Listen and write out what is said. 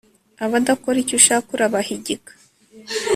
abadakora icyo ushaka urabahigika